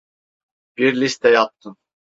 Bir liste yaptım.